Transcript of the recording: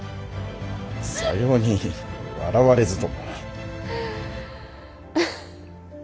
さように笑われずとも。